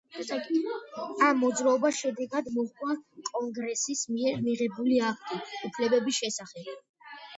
ამ მოძრაობას შედეგად მოჰყვა კონგრესის მიერ მიღებული აქტი უფლებების შესახებ.